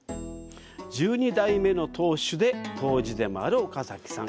１２代目の当主で、杜氏でもある岡崎さん。